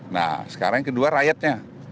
nah sekarang yang kedua rakyatnya